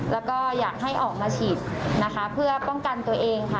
แล้วก็อยากให้ออกมาฉีดนะคะเพื่อป้องกันตัวเองค่ะ